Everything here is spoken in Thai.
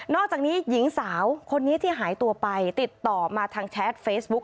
อกจากนี้หญิงสาวคนนี้ที่หายตัวไปติดต่อมาทางแชทเฟซบุ๊ค